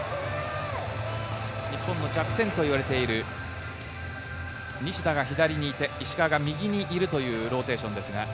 日本の弱点といわれている西田が左にいて石川が右にいるというローテーション。